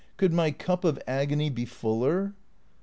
Could my cup of agony be fuller?"